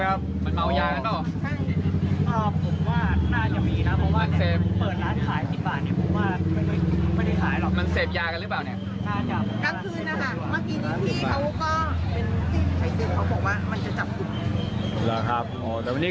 หนูรอเมื่อกี้หนูถามตำรวจ